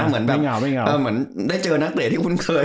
เหมือนได้เจอนักเรที่คุณเคย